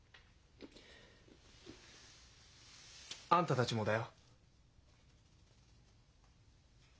あんたたちもだよ。